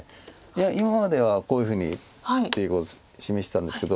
今まではこういうふうにっていう碁を示してたんですけど。